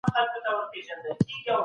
تاسو به په راتلونکي کې بریالي سئ.